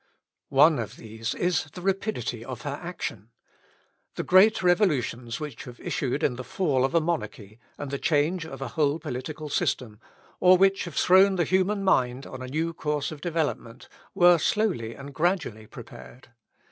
One of these is the rapidity of her action. The great revolutions which have issued in the fall of a monarchy, and the change of a whole political system, or which have thrown the human mind on a new course of development, were slowly and gradually prepared.